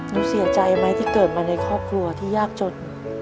หนูเสียใจไหมที่เกิดมาในครอบครัวที่ยากจน